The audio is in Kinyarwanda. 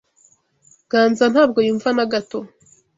Ganza ntabwo yumva na gato.